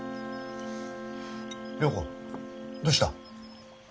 良子どうした？